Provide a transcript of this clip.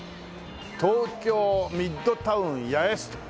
東京ミッドタウン八重洲と。